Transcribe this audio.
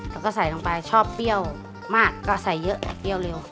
แล้วก็ใส่ลงไปชอบเปรี้ยวมากก็ใส่เยอะเปรี้ยวเร็ว